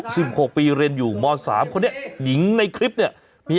หกปีเรียนอยู่มสามคนนี้หญิงในคลิปเนี่ยมี